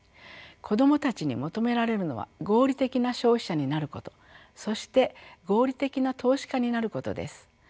子どもたちに求められるのは合理的な消費者になることそして合理的な投資家になることです。